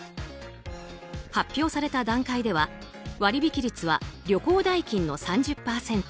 発表された段階では割引率は旅行代金の３０％。